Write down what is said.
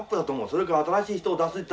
それか新しい人を出すったって